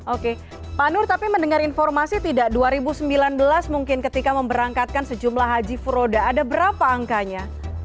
oke pak nur tapi mendengar informasi tidak dua ribu sembilan belas mungkin ketika memberangkatkan sejumlah haji furoda ada berapa angkanya